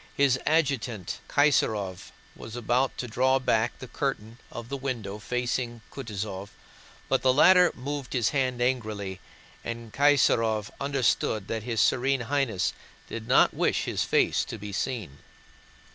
His adjutant Kaysárov was about to draw back the curtain of the window facing Kutúzov, but the latter moved his hand angrily and Kaysárov understood that his Serene Highness did not wish his face to be seen.